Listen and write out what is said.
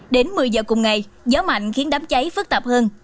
đến một mươi giờ cùng ngày gió mạnh khiến đám cháy phức tạp hơn